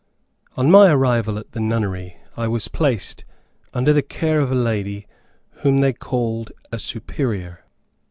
On my arrival at the nunnery, I was placed under the care of a lady whom they called a Superior.